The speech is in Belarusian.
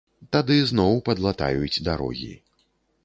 Тады зноў падлатаюць дарогі.